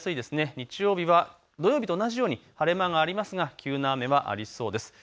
日曜日は土曜日と同じように晴れ間がありますが急な雨がありそうです。